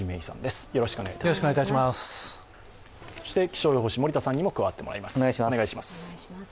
気象予報士、森田さんにも加わってもらいます。